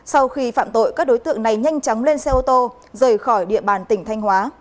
sau khi phạm tội các đối tượng này nhanh chóng lên xe ô tô rời khỏi địa bàn tỉnh thanh hóa